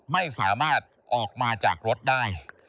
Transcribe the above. ไม่สามารถออกมาจากรถได้